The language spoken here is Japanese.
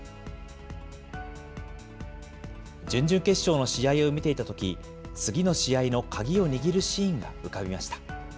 準々決勝の試合を見ていたとき、次の試合の鍵を握るシーンが浮かびました。